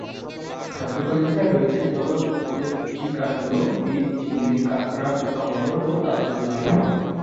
খাদ্যতালিকায় রয়েছে জলজ উদ্ভিদের কচি কাণ্ড, বীজ, চিংড়ি, কাঁকড়া, পোকামাকড় ও তাদের লার্ভা।